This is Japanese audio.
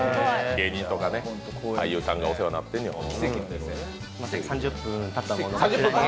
芸人とか俳優さんがお世話になってんやでかっ！